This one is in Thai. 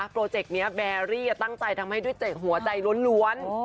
โปรเจกต์นี้แบรี่ตั้งใจทำให้ด้วยเจกหัวใจล้วน